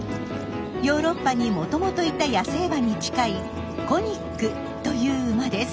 ヨーロッパにもともといた野生馬に近い「コニック」という馬です。